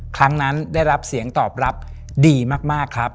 ครั้งนั้นได้รับเสียงตอบรับดีมากครับ